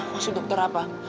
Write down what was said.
maksud dokter apa